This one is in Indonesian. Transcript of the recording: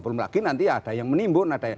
belum lagi nanti ada yang menimbun